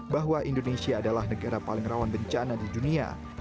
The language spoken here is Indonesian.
bahwa indonesia adalah negara paling rawan bencana di dunia